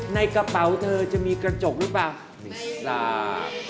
ในกระเป๋าเธอจะมีกระจกหรือเปล่า